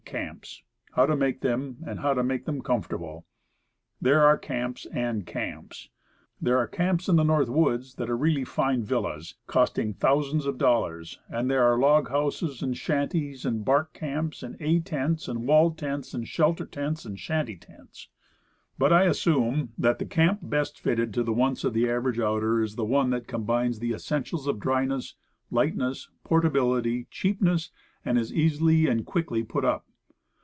camps; how to make them, and how to make them com fortable. There are camps, and camps. There are camps in the North Woods that are really fine villas, costing thousands of dollars, and there are log houses, 26 Woodcraft. and shanties, and bark camps, and A tents, and walled tents, shelter tents and shanty tents. But, I assume that the camp best fitted to the wants of the average outer is the one that combines the essentials of dryness, lightness, portability, cheapness, and is easily and quickly put up.